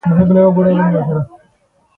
غېږه یې راته خلاصه کړه .